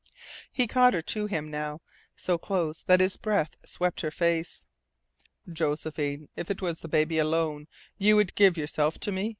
He caught her to him now, so close that his breath swept her face. "Josephine, if it was the baby alone, you would give yourself to me?